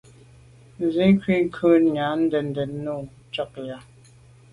Nzìkû’ cwɛ̌d nja ndèdndèd nùú ntchɔ́k á jáà.